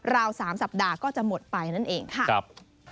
ราวสามสัปดาก็จะหมดไปนั่นเองค่ะครับ